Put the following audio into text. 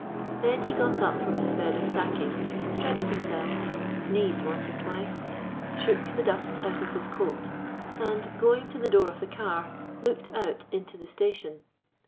Then he got up from his bed of sacking, stretched himself, sneezed once or twice, shook the dust out of his coat, and, going to the door of the car, looked out into the station.